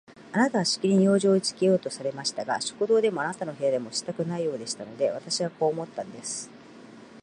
あなたはしきりに用事をいいつけようとされましたが、食堂でもあなたの部屋でもしたくないようでしたので、私はこう思ったんです。